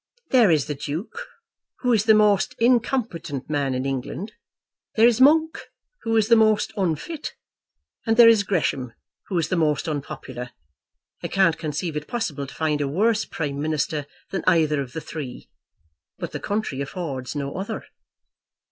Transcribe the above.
There is the Duke, who is the most incompetent man in England; there is Monk, who is the most unfit; and there is Gresham, who is the most unpopular. I can't conceive it possible to find a worse Prime Minister than either of the three; but the country affords no other."